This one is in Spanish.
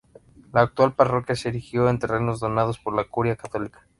La actual parroquia se erigió en terrenos donados por la Curia Católica.